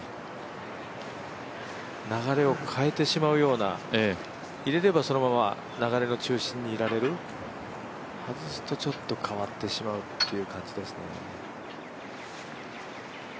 流れを変えてしまうような、入れればそのまま流れの中心にいられる、外すとちょっと変わってしまうという感じですね。